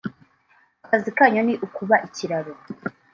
“Akazi kanyu ni ukuba ikiraro